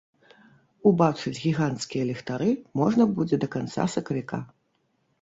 Убачыць гіганцкія ліхтары можна будзе да канца сакавіка.